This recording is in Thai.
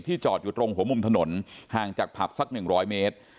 ที่จอดอยู่ตรงหัวมุมถนนห่างจากผับสักหนึ่งร้อยเมตร